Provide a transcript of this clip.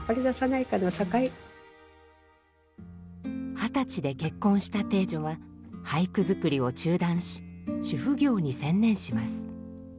二十歳で結婚した汀女は俳句作りを中断し主婦業に専念します。